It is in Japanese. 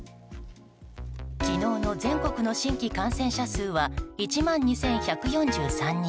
昨日の全国の新規感染者数は１万２１４３人。